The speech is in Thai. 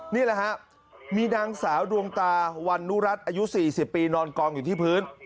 นี่แหละครับมีนางสาวดวงตาวันนุรัติอายุ๔๐ปีนอนกองอยู่ที่พื้น